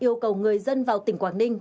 yêu cầu người dân vào tỉnh quảng ninh